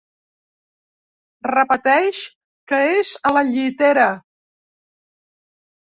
Repeteix que és a la llitera.